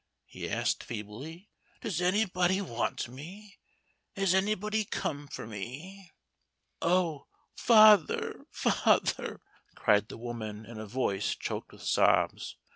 he asked, feebly; "does anybody want me? Has anybody come for me?" "O father, father!" cried the woman in a voice choked with sobs.